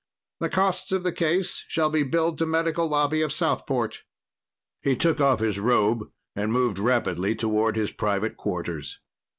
"The costs of the case shall be billed to Medical Lobby of Southport." He took off his robe and moved rapidly toward his private quarters.